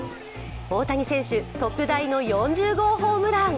大谷選手、特大の４０号ホームラン。